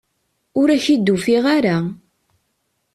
Ur ak-id-ufiɣ ara!